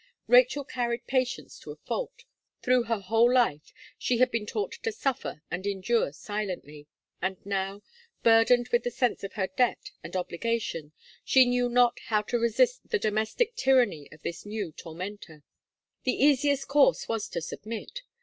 Rachel carried patience to a fault; through her whole life, she had been taught to suffer and endure silently, and now, burdened with the sense of her debt and obligation, she knew not how to resist the domestic tyranny of this new tormentor. The easiest course was to submit.